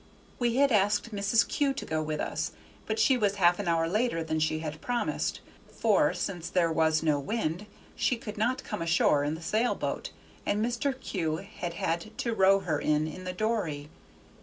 We had asked Mrs. Kew to go with us; but she was half an hour later than she had promised, for, since there was no wind, she could not come ashore in the sail boat, and Mr. Kew had had to row her in in the dory.